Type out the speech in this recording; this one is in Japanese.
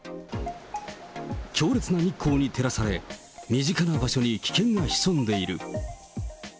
強烈な日光に照らされ、身近な場所に危険が潜んでいる。